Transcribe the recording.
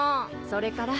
それから。